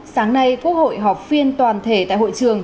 sáng nay quốc hội họp phiên toàn thể tại hội trường